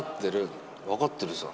分かってる。